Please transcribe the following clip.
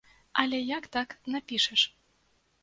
Але як так напішаш?